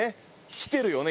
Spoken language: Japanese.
来てるよね？